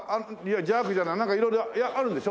ジャークじゃないなんか色々あるんでしょ？